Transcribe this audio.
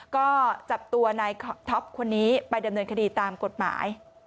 ก็จับตัวนายท็อปคนนี้ไปดำเนินคดีตามกฎหมาย